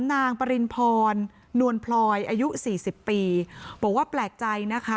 ปริณพรนวลพลอยอายุสี่สิบปีบอกว่าแปลกใจนะคะ